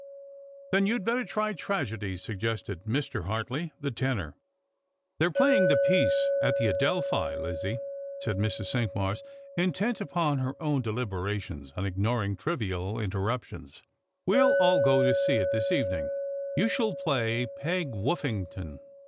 " Then you'd better try tragedy," suggested Mr. Hartley, the tenor. •' They're playing the piece at the Adelphi, Lizzie," said Mrs. Cinqmars, intent upon her own deliberations, and ignoring trivial interruptions. " We'll all go to see it this evening. You shall play Peg Woffington.